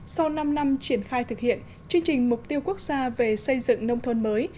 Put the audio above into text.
sau năm năm triển khai thực hiện chương trình mục tiêu quốc gia về xây dựng nông thôn mới